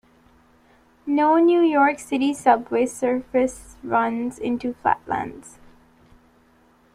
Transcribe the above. No New York City Subway service runs into Flatlands.